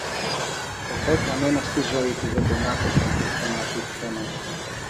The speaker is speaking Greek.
Ποτέ κανένας στη' ζωή του, δεν τον άκουσε και αυτόν να πει ψέμα